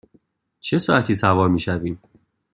چه ساعتی سوار می شویم؟